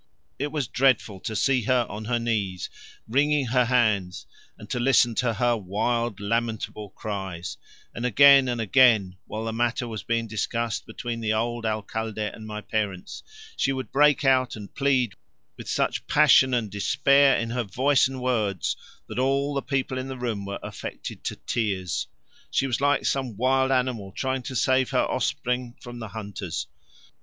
It was dreadful to see her on her knees wringing her hands, and to listen to her wild lamentable cries; and again and again while the matter was being discussed between the old Alcalde and my parents, she would break out and plead with such passion and despair in her voice and words, that all the people in the room were affected to tears. She was like some wild animal trying to save her offspring from the hunters.